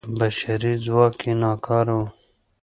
بشري ځواک یې ناکاره و.